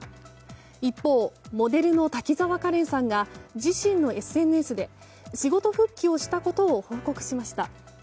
一方、モデルの滝沢カレンさんが自身のＳＮＳで仕事復帰をしたことを報告しました。